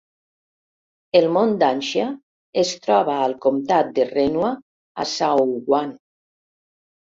El mont Danxia es troba al comtat de Renhua a Shaoguan.